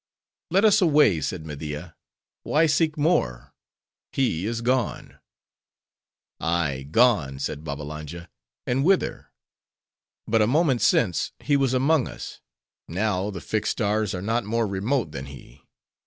"Let us away," said Media—"why seek more? He is gone." "Ay, gone," said Babbalanja, "and whither? But a moment since, he was among us: now, the fixed stars are not more remote than he.